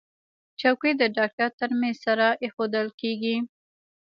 چوکۍ د ډاکټر تر میز سره ایښودل کېږي.